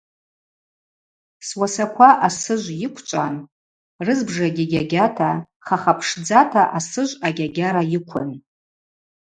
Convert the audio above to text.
Суасаква асыжв йыквчӏван, рызбжагьи гьагьата, хахапшдзата асыжв агьагьара йыквын.